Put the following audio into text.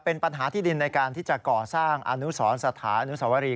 เป็นปัญหาที่ดินในการที่จะก่อสร้างอนุสรสถานอนุสวรี